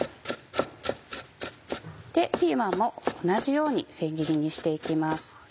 ピーマンも同じように千切りにして行きます。